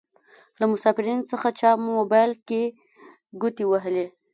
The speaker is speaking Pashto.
له مسافرينو څخه چا موبايل کې ګوتې وهلې.